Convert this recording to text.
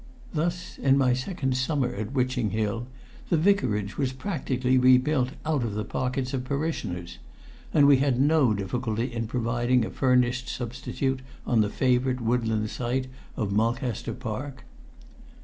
Thus, in my second summer at Witching Hill, the Vicarage was practically rebuilt out of the pockets of parishioners; and we had no difficulty in providing a furnished substitute on the favourite woodland side of Mulcaster Park.